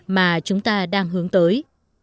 mà chúng ta đang hướng tới